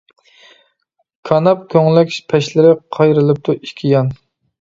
كاناپ كۆڭلەك پەشلىرى قايرىلىپتۇ ئىككى يان.